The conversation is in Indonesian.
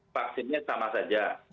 vaksinnya sama saja